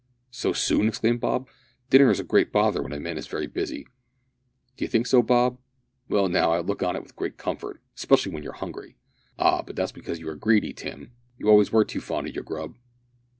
"So soon!" exclaimed Bob; "dinner is a great bother when a man is very busy." "D'ye think so, Bob? Well, now, I look on it as a great comfort specially when you're hungry." "Ah! but that's because you are greedy, Tim. You always were too fond o' your grub."